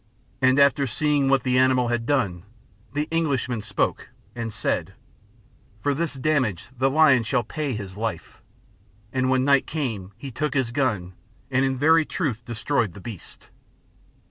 And after seeing what the animal had done, the Englishman spoke, and said, "For this damage the lion shall pay his life." And when night came he took his gun and in very truth destroyed the beast.